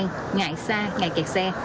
ngại xa ngại kẹt xe